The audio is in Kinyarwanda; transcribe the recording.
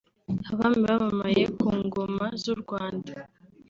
abami bamamaye ku ngoma z’u Rwanda